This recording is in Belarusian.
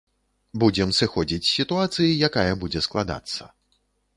Будзем сыходзіць з сітуацыі, якая будзе складацца.